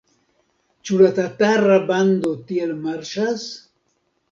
Ĉu la tatara bando tiel marŝas?